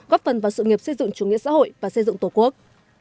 góp phần vào sự nghiệp xây dựng chủ nghĩa xã hội và xây dựng tổ quốc